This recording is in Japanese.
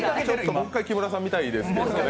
もう一回、木村さん見たいですけどね。